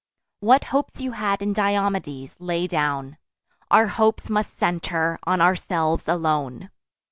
What hopes you had in Diomedes, lay down: Our hopes must centre on ourselves alone.